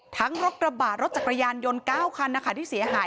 รถกระบะรถจักรยานยนต์๙คันนะคะที่เสียหาย